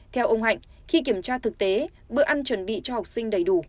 theo ông hạnh khi kiểm tra thực tế bữa ăn chuẩn bị cho học sinh đầy đủ